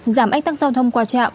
giảm ách tăng giao thông qua trạm